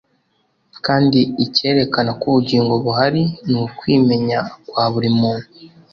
kandi icyerekana ko ubugingo buhari ni ukwimenya kwa buri muntu.